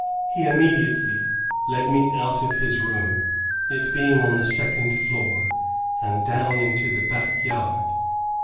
He immediately led me out of his room, it being on the second floor, and down into the back yard.